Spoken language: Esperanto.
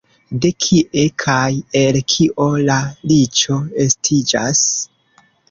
De kie kaj el kio la riĉo estiĝas?